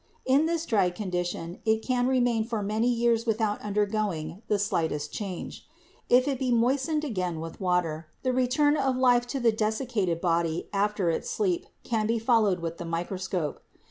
In this dried condition it can remain for many years without undergoing the slightest change. If it be moistened again with water, the return of life to the desiccated body after its sleep can be followed with the microscope.